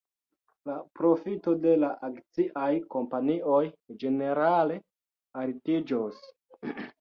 La profito de la akciaj kompanioj ĝenerale altiĝos.